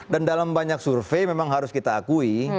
dan dalam banyak survei memang harus kita akui